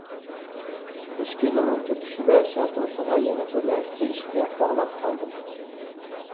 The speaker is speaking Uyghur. مۇشۇ كىنونىڭ تۈرتكىسىدە شاتۇتىغا يەنە بۆلەكچە ئىشتىياق باغلاپ قالدىم.